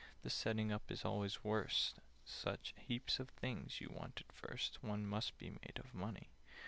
The setting up is always worst: Such heaps of things you want at first, One must be made of money!